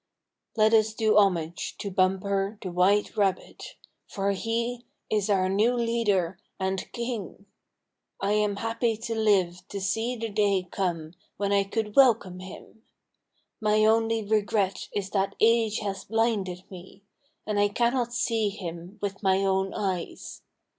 Let us do homage to Bumper the White Rabbit, for he is our new leader and king! I am happy to live to see the day come when I could welcome him! My only regret is that age has blinded me, and I cannot see him with my own eyes.